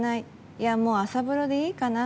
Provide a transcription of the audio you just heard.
いやもう、朝風呂でいいかな。